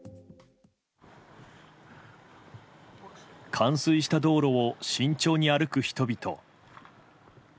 冠水した道路を慎重に歩く人々。